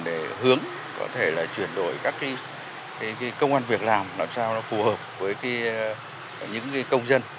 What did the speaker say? để hướng có thể là chuyển đổi các công an việc làm làm sao nó phù hợp với những công dân